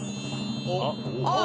あっ！